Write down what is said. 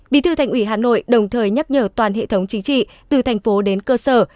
bí thư thành ủy hà nội đồng thời nhắc nhở toàn hệ thống chính trị từ thành phố đến cơ sở